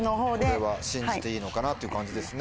これは信じていいのかなっていう感じですね。